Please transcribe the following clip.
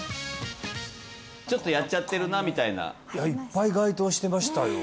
ちょっとやっちゃってるなみたいないっぱい該当してましたよ